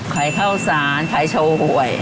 ขายข้าวสารขายโชว์หวย